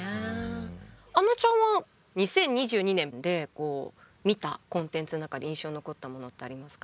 あのちゃんは２０２２年で見たコンテンツの中で印象に残ったものってありますか？